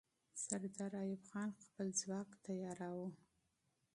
سردار ایوب خان خپل ځواک چمتو کاوه.